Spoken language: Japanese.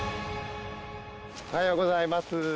おはようございます。